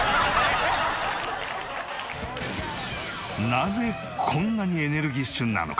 なぜこんなにエネルギッシュなのか？